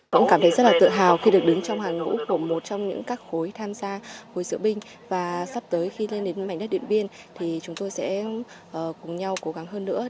cũng cảm thấy rất là tự hào khi được đứng trong hàng ngũ của một trong những các khối tham gia hội diễu binh và sắp tới khi lên đến mảnh đất điện biên thì chúng tôi sẽ cùng nhau cố gắng hơn nữa